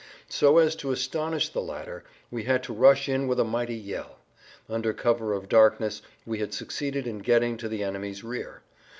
So as to astonish the latter we had to rush in with a mighty yell. Under cover of darkness we had succeeded in getting to the enemy's rear.